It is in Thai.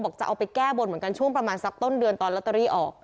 จะเอาไปแก้บนเหมือนกันช่วงประมาณสักต้นเดือนตอนลอตเตอรี่ออก